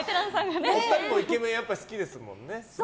お二人もイケメン好きですもんね。